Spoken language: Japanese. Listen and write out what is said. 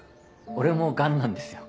俺も癌なんですよ。